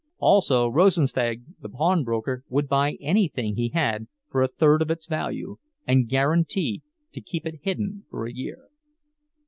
Also Rosensteg, the pawnbroker, would buy anything he had for a third of its value, and guarantee to keep it hidden for a year.